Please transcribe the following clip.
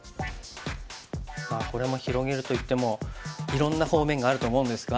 これも広げるといってもいろんな方面があると思うんですが。